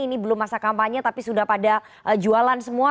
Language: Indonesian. ini belum masa kampanye tapi sudah pada jualan semua